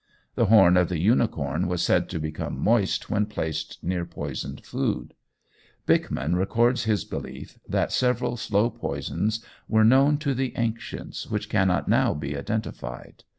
The horn of the unicorn was said to become moist when placed near poisoned food. Bickman records his belief that several slow poisons were known to the ancients which cannot now be identified.